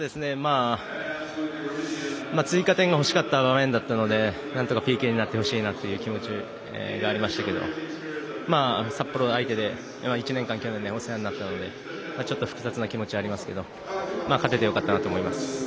追加点が欲しかった場面だったのでなんとかＰＫになってほしいなという気持ちがありましたが札幌相手で１年間去年、お世話になったので複雑な気持ちはありますが勝ててよかったなと思います。